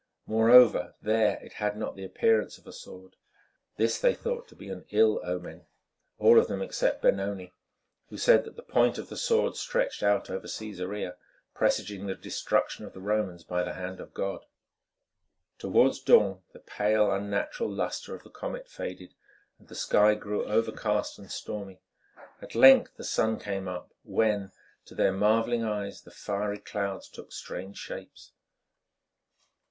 Moreover, there it had not the appearance of a sword. This they thought to be an ill omen, all of them except Benoni, who said that the point of the sword stretched out over Cæsarea, presaging the destruction of the Romans by the hand of God. Towards dawn, the pale, unnatural lustre of the comet faded, and the sky grew overcast and stormy. At length the sun came up, when, to their marvelling eyes, the fiery clouds took strange shapes.